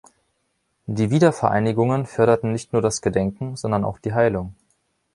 Die Wiedervereinigungen förderten nicht nur das Gedenken, sondern auch die Heilung.